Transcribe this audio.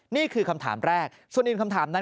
นี่คือคำถามแรกส่วนอีกคำถามนั้น